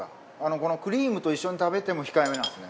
このクリームと一緒に食べても控えめなんですね。